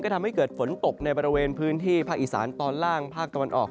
ทำให้เกิดฝนตกในบริเวณพื้นที่ภาคอีสานตอนล่างภาคตะวันออก